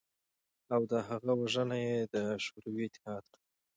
او د هغه وژنه ېې د شوروی اتحاد